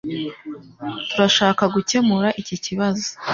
Turashaka gukemura iki kibazo.